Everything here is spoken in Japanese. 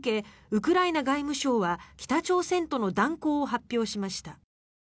ウクライナ外務省は北朝鮮との断交を発表しました。